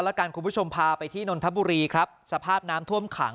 แล้วกันคุณผู้ชมพาไปที่นนทบุรีครับสภาพน้ำท่วมขัง